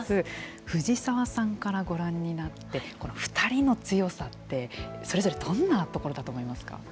藤沢さんからご覧になってこの２人の強さってそれぞれどんなところだと思いますか。